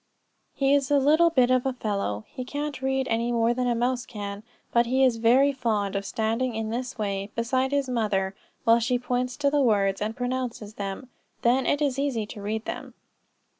He is a little bit of a fellow. He can't read any more than a mouse can; but he is very fond of standing in this way, beside his mother, while she points to the words and pronounces them; then it is easy to read them.